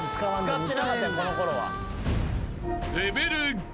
使ってなかったこの頃は。